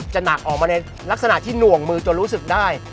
หนักออกมาในลักษณะที่หน่วงมือจนรู้สึกได้